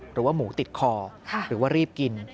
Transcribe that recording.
หรือว่าหมูติดคอหรือว่ารีบกิน